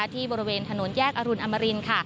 ที่บริเวณถนนแยกอรุณอมรินค่ะ